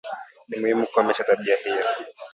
Ni muhimu kukomesha tabia hiyo